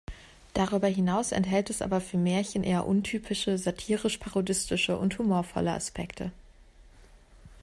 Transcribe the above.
Darüber hinaus enthält es aber für Märchen eher untypische satirisch-parodistische und humorvolle Aspekte.